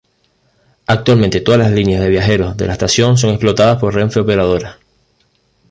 Actualmente todas las líneas de viajeros de la estación son explotadas por Renfe Operadora.